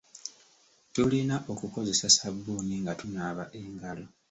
Tulina okukozesa ssabbuuni nga tunaaba engalo.